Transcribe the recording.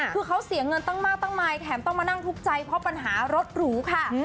คือเขาเสียเงินตั้งมากตั้งมายแถมต้องมานั่งทุกข์ใจเพราะปัญหารถหรูค่ะ